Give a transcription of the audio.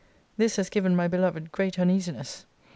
This has given my beloved great uneasiness.